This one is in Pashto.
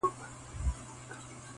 ما مي په اورغوي کي د فال نښي وژلي دي-